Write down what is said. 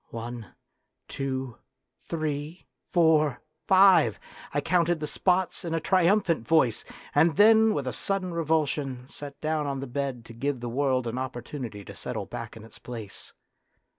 One, two, three, four, five ! I counted the spots in a triumphant voice, and then with a sudden revulsion sat down on the bed to give the world an opportunity to settle back in its place.